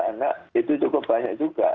anak itu cukup banyak juga